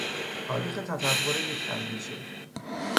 تاریخ تطور یک اندیشه